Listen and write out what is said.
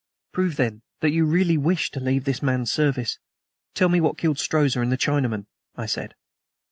"Prove, then, that you really wish to leave this man's service. Tell me what killed Strozza and the Chinaman," I said.